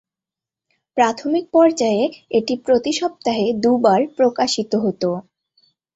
প্রাথমিক পর্যায়ে, এটি প্রতি সপ্তাহে দুবার প্রকাশিত হত।